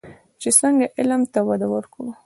چې څنګه علم ته وده ورکړو.